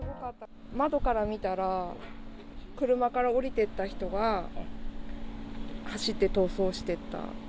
窓から見たら、車から降りてった人が走って逃走してった。